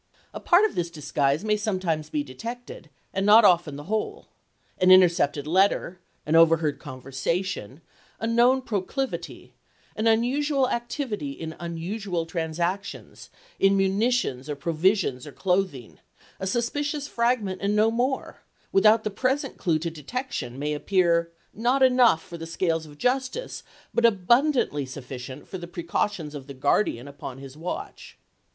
A part of this disguise may sometimes be detected, and not often the whole. An intercepted letter, an overheard conversation, a known proclivity, an unusual activity in unusual transactions, in muni tions or provisions or clothing — a suspicious fragment, and no more, without the present clue to detection may appear — not enough for the scales of justice, but abundantly sufficient for the pre cautions of the guardian upon his watch.